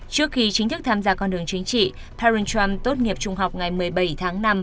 trước khi chính thức tham gia con đường chính trị taron trump tốt nghiệp trung học ngày một mươi bảy tháng năm